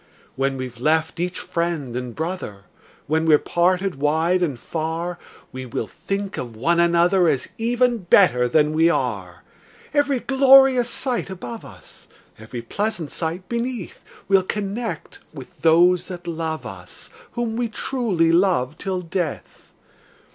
When we've left each friend and brother, When we're parted wide and far, We will think of one another, As even better than we are. Every glorious sight above us, Every pleasant sight beneath, We'll connect with those that love us, Whom we truly love till death!